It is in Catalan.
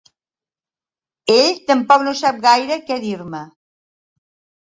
Ell tampoc no sap gaire què dir-me.